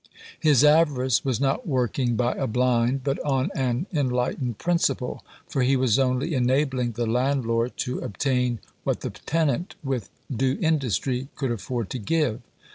His avarice was not working by a blind, but on an enlightened principle; for he was only enabling the landlord to obtain what the tenant, with due industry, could afford to give.